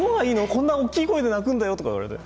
こんな大きな声で鳴くんだよ！とか言われて。